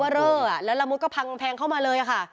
ตัวเบอร์เรออ่ะแล้วละมุดก็พังกำแพงเข้ามาเลยอ่ะค่ะ